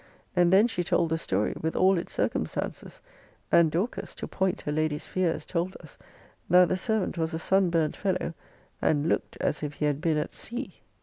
And then she told the story, with all its circumstances; and Dorcas, to point her lady's fears, told us, that the servant was a sun burnt fellow, and looked as if he had been at sea.